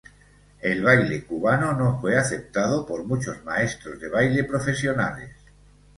El baile cubano no fue aceptado por muchos maestros de baile profesionales.